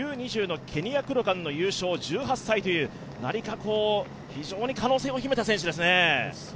Ｕ２０のケニアクロカン優勝の１８歳という何か非常に可能性を秘めた選手ですね。